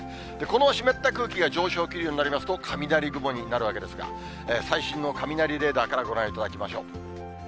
この湿った空気が上昇気流になりますと、雷雲になるわけですが、最新の雷レーダーからご覧いただきましょう。